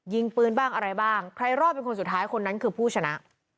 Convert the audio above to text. ยิงปืนบ้างอะไรบ้างใครรอดเป็นคนสุดท้ายคนนั้นคือผู้ชนะ